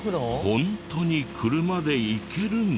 ホントに車で行けるの？